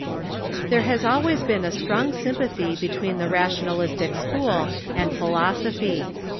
There has always been a strong sympathy between the ra tionalistic school and pliilosophy.